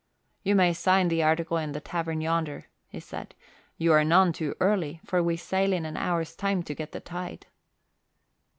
"You may sign the articles in the tavern yonder," he said. "You are none too early, for we sail in an hour's time to get the tide."